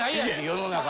世の中の。